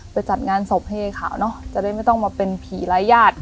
จัดงานศพเฮขาวเนอะจะได้ไม่ต้องมาเป็นผีรายญาติ